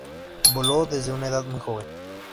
Voló desde una edad muy joven.